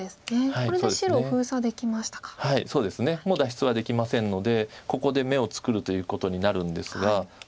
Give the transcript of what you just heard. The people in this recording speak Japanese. もう脱出はできませんのでここで眼を作るということになるんですが。